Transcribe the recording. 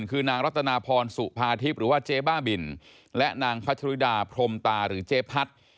คือนางรัตนาพรสุภาทิพย์หรือว่าเจ๊บ้าบินและนางพัชริดาพรมตาหรือเจ๊พัด